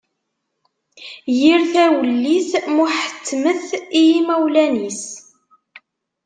Yir tawellit, muḥettmet i yimawlan-is.